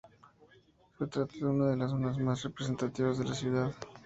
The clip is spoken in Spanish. Se trata de una de las zonas más representativas de la ciudad.